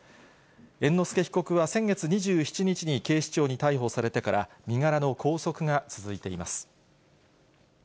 猿之助被告は先月２７日に警視庁に逮捕されてから、身柄の拘束が続いています。